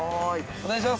お願いします。